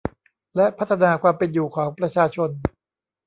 และพัฒนาความเป็นอยู่ของประชาชน